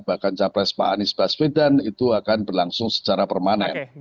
bahkan capres pak anies baswedan itu akan berlangsung secara permanen